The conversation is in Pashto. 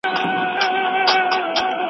پوهه انسان ته د ژوند لار ښيي.